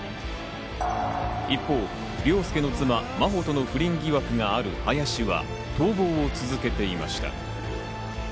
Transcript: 一方、凌介の妻・真帆との不倫疑惑がある林は逃亡を続けていました。